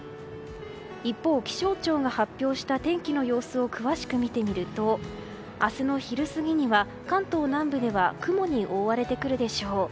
一方、気象庁が発表した天気の様子を詳しく見てみると明日の昼過ぎには関東南部では雲に覆われてくるでしょう。